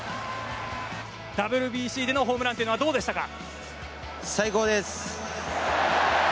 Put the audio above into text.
ＷＢＣでのホームランというのはどうでしたか？